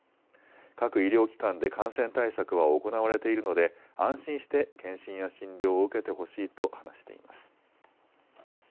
各医療機関で感染対策は行われているので安心して検診や診療を受けてほしいと話しています。